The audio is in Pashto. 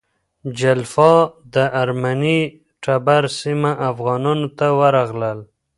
جلفا د ارمني ټبر سیمه افغانانو ته ورغله.